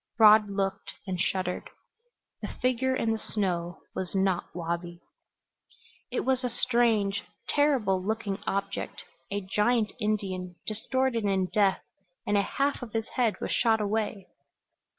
Rod looked, and shuddered. The figure in the snow was not Wabi. It was a strange, terrible looking object a giant Indian, distorted in death and a half of his head was shot away!